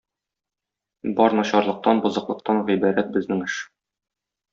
Бар начарлыктан, бозыклыктан гыйбарәт безнең эш.